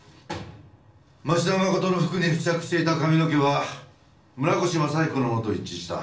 町田誠の服に付着していた髪の毛は村越正彦のものと一致した。